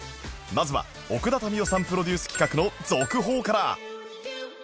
まずは奥田民生さんプロデュース企画の続報から